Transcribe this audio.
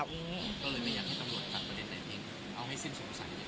ก็เลยไม่อยากให้ตำรวจตัดประเด็นใดทิ้งเอาให้สิ้นสงสัย